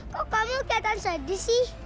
kok kamu kelihatan sedih sih